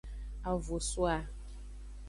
A vo so a.